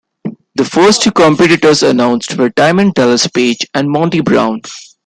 The first two competitors announced were Diamond Dallas Page and Monty Brown.